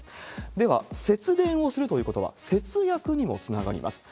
では、節電をするということは節約にもつながります。